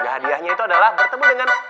hadiahnya itu adalah bertemu dengan